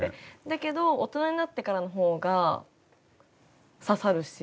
だけど大人になってからのほうが刺さるし。